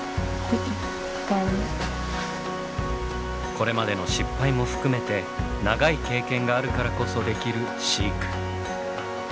これまでの失敗も含めて長い経験があるからこそできる飼育。